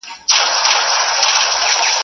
د خیرات په وخت کي د یتیم پزه ویني سي !.